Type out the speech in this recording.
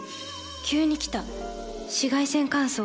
急に来た紫外線乾燥。